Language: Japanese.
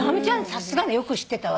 さすがよく知ってたわね。